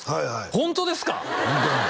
ホントですか？